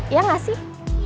iya gak sih